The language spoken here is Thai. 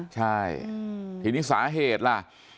ใช่ทีนี้สาเหตุล่ะ